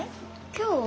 今日？